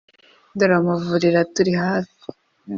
dore amavuriro aturi hafi